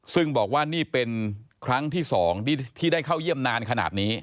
ซึ่งบอกว่านี่เป็นครั้งที่๒ที่ได้เข้าเยี่ยมนานขนาดนี้